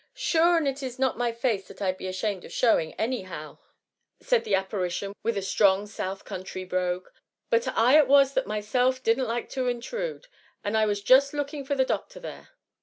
'VSure and it is not my face that I'd be ashamed of showing, any how,'^ said the appa rition, with a strong south country brogue ; but I it was that myself didnH like to inthrude^ and I was just looking for the docthor there.''